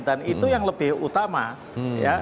dan itu yang lebih utama